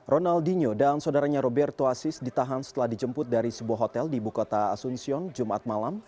ronaldinho dan saudaranya roberto assis ditahan setelah dijemput dari sebuah hotel di bukota asuncion jumat malam